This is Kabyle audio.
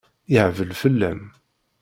Yehbel fell-am.